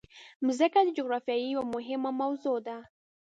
مځکه د جغرافیې یوه مهمه موضوع ده.